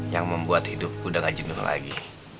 yang membuat hidupku udah gak jenuh lagi